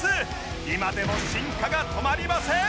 今でも進化が止まりません